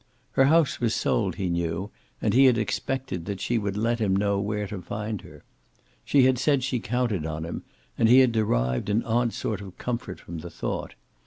Her house was sold, he knew, and he had expected that she would let him know where to find her. She had said she counted on him, and he had derived an odd sort of comfort from the thought.